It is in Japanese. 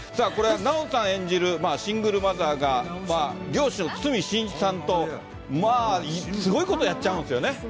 奈緒さん演じるシングルマザーが、漁師の堤真一さんと、まあすごいことやっちゃうんですよね。